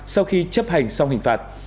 sau khi chấp hành xong hình phạt